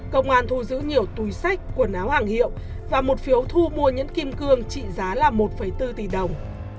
công an thu giữ nhiều túi sách quần áo hàng hiệu và một phiếu thu mua nhãn kim cương trị giá là một bốn tỷ đồng